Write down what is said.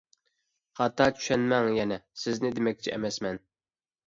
خاتا چۈشەنمەڭ يەنە، سىزنى دېمەكچى ئەمەسمەن.